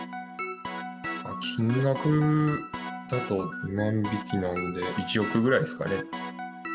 金額だと、２万匹なんで１億ぐらいですかね。